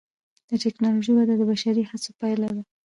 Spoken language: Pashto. د ټکنالوجۍ وده د بشري هڅو پایله ده.